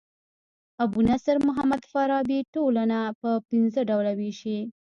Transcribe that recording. ابو نصر محمد فارابي ټولنه پر پنځه ډوله ويشي.